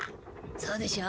そうでしょう。